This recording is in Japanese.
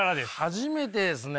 初めてですね。